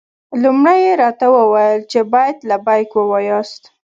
لومړی یې راته وویل چې باید لبیک ووایاست.